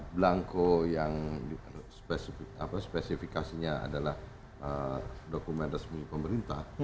belangko yang spesifikasinya adalah dokumen resmi pemerintah